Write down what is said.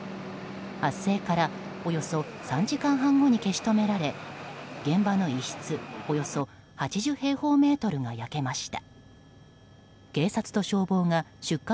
発生から、およそ３時間半後に消し止められ現場の一室およそ８０平方メートルが焼けました。